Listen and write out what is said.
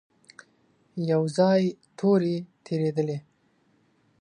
يو ځای تورې تېرېدلې.